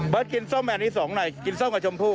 เบิร์ตกินส้มแหม่นอันนี้๒หน่อยกินส้มกับชมพู่